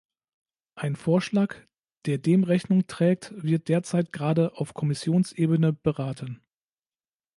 Ein Vorschlag, der dem Rechnung trägt, wird derzeit gerade auf Kommissionsebene beraten.